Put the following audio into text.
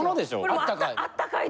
あったかい？